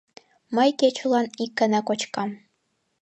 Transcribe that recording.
— Мый кечылан ик гана кочкам.